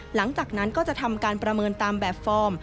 หลังจากนั้นก็จะทำการประเมินตามแบบฟอร์ม